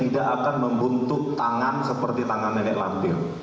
bahkan membuntuk tangan seperti tangan nenek lampil